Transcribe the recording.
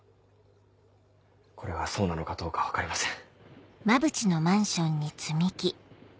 これがそうなのかどうか分かりません。